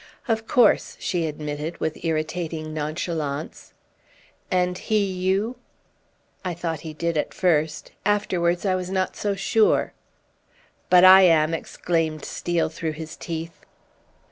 "Of course," she admitted, with irritating nonchalance. "And he you?" "I thought he did at first; afterwards I was not so sure." "But I am!" exclaimed Steel through his teeth.